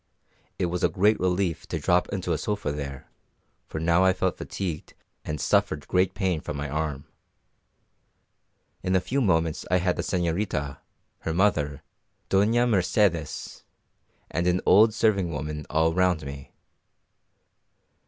It was a great relief to drop into a sofa there, for I now felt fatigued and suffered great pain from my arm. In a few moments I had the señorita, her mother, Doña Mercedes, and an old serving woman all round me.